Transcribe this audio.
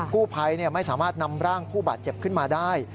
ผู้ภัยไม่สามารถนำร่างผู้บาดเจ็บขึ้นมาได้